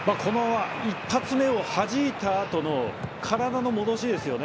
１発目をはじいたあとの体の戻しですよね。